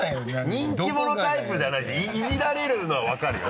人気者のタイプじゃないイジられるのは分かるよ